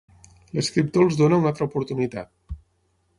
L'escriptor els dóna una altra oportunitat.